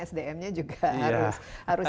sdm nya juga harus